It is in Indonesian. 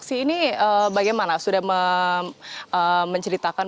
ini mengaku atau aneh aneh